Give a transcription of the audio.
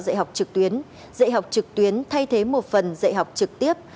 hỗ trợ dạy học trực tuyến dạy học trực tuyến thay thế một phần dạy học trực tiếp